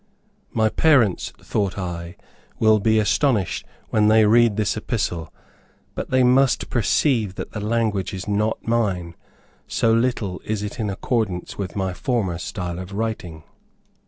My parents, thought I, will be astonished when they read this epistle, but they must perceive that the language is not mine, so little is it in accordance with my former style of writing.